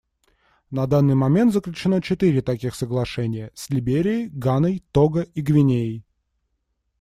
На данный момент заключено четыре таких соглашения — с Либерией, Ганой, Того и Гвинеей.